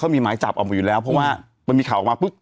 มีหมายจับออกมาอยู่แล้วเพราะว่ามันมีข่าวออกมาปุ๊บ